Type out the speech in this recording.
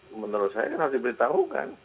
ya menurut saya harus diberitahukan